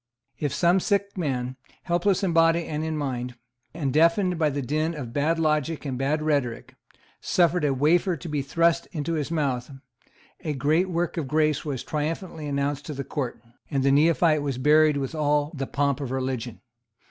If some sick man, helpless in body and in mind, and deafened by the din of bad logic and bad rhetoric, suffered a wafer to be thrust into his mouth, a great work of grace was triumphantly announced to the Court; and the neophyte was buried with all the pomp of religion.